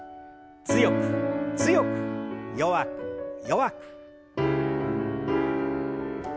強く強く弱く弱く。